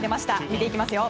見ていきますよ。